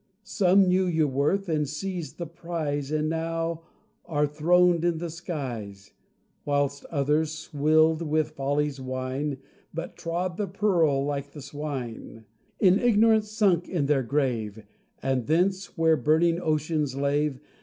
Some knew your worth, and seized the prize, And now are throned in the skies: Whilst others swilled with folly's wine, But trod the pearl like the swine, In ignorance sunk in their grave, And thence, where burning oceans lave.